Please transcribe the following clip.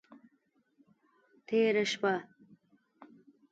تیره شپه…